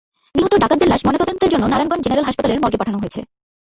নিহত ডাকাতদের লাশ ময়নাতদন্তের জন্য নারায়ণগঞ্জ জেনারেল হাসপাতালের মর্গে পাঠানো হয়েছে।